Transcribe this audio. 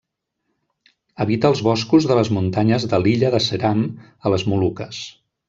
Habita els boscos de les muntanyes de l'illa de Seram, a les Moluques.